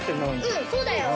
うんそうだよ。